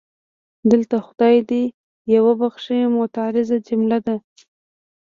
دلته خدای دې یې وبښي معترضه جمله ده.